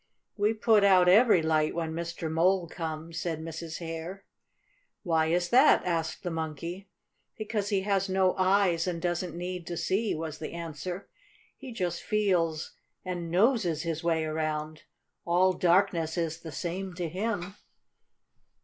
"We put out every light when Mr. Mole comes," said Mrs. Hare. "Why is that?" asked the Monkey. "Because he has no eyes, and doesn't need to see," was the answer. "He just feels and noses his way around. All darkness is the same to him."